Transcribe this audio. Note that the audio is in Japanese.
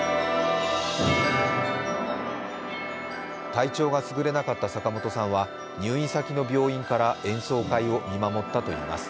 体調がすぐれなかった坂本さんは入院先の病院から演奏会を見守ったといいます。